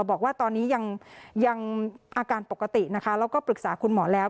บอกว่าตอนนี้ยังอาการปกตินะคะแล้วก็ปรึกษาคุณหมอแล้ว